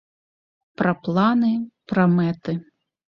Пра планы, пра мэты.